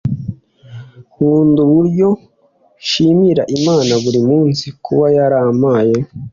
nkunda uburyo nshimira imana buri munsi kuba yarampaye.